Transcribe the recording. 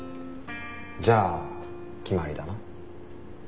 じゃあ決まりだな。